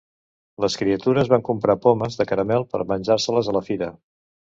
Les criatures van comprar pomes de caramel per menjar-se-les a la fira.